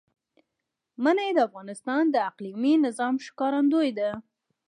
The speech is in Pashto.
منی د افغانستان د اقلیمي نظام ښکارندوی ده.